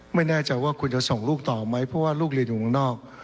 ไม่แน่ใจว่าคุณจะส่งลูกต่อไหมเพราะว่าลูกเรียนอยู่ข้างนอก